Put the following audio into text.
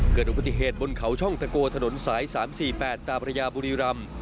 เกิดอุบัติเหตุบนเขาช่องตะโกถนนสาย๓๔๘ตาพระยาบุรีรำ